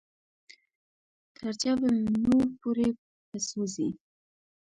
تر جبل نور پورې په څو ځې.